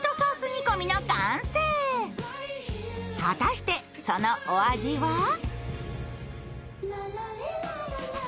果たしてそのお味は？